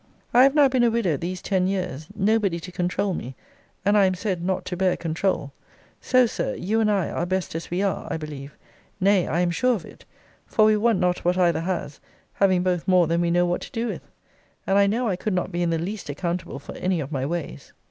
I have now been a widow these ten years; nobody to controul me: and I am said not to bear controul: so, Sir, you and I are best as we are, I believe: nay, I am sure of it: for we want not what either has; having both more than we know what to do with. And I know I could not be in the least accountable for any of my ways.